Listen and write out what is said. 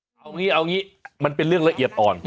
เอางี้เอางี้มันเป็นเรื่องละเอียดอ่อน